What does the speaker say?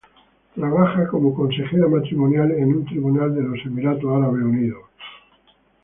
Trabaja como consejera matrimonial en un tribunal de los Emiratos Árabes Unidos.